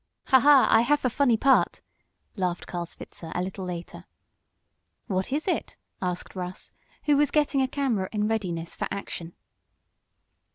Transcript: "Ha! Ha! I haf a funny part!" laughed Carl Switzer, a little later. "What is it?" asked Russ, who was getting a camera in readiness for action.